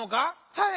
はい！